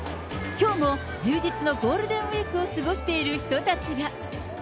きょうも充実のゴールデンウィークを過ごしている人たちが。